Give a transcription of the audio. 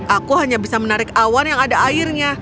aku hanya bisa menarik awan yang ada airnya